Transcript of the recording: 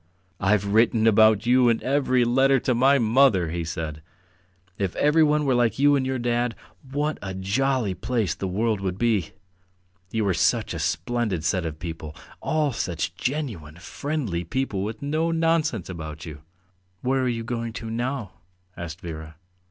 "I've written about you in every letter to my mother," he said. "If everyone were like you and your dad, what a jolly place the world would be! You are such a splendid set of people! All such genuine, friendly people with no nonsense about you." "Where are you going to now?" asked Vera.